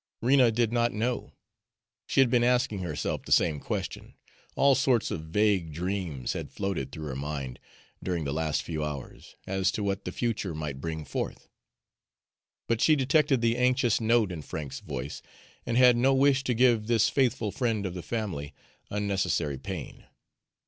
Rena did not know. She had been asking herself the same question. All sorts of vague dreams had floated through her mind during the last few hours, as to what the future might bring forth. But she detected the anxious note in Frank's voice, and had no wish to give this faithful friend of the family unnecessary pain.